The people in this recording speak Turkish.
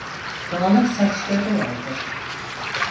Dağınık saçları vardır.